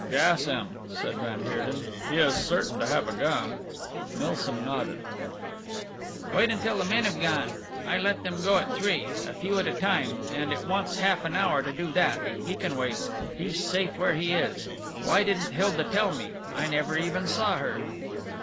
"Gas him," said van Heerden, "he is certain to have a gun." Milsom nodded. "Wait until the men have gone. I let them go at three a few at a time, and it wants half an hour to that. He can wait. He's safe where he is. Why didn't Hilda tell me? I never even saw her."